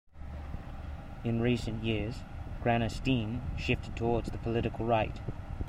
In recent years, Granatstein shifted towards the political right.